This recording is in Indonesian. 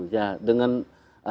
ya dengan ada